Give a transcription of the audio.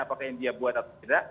apakah india membuat atau tidak